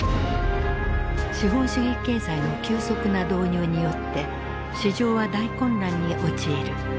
資本主義経済の急速な導入によって市場は大混乱に陥る。